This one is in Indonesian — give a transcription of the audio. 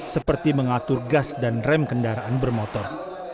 seperti mengatur gas dan rem kendaraan bermotor